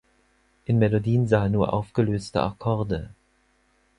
In Melodien sah er nur aufgelöste Akkorde.